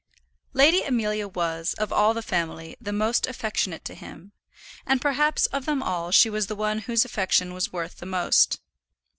Lady Amelia was, of all the family, the most affectionate to him, and perhaps of them all she was the one whose affection was worth the most.